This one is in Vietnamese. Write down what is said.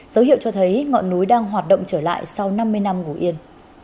dấu hiệu cho thấy ngọn núi đang hoạt động trở lại sau năm mươi năm ngủ yên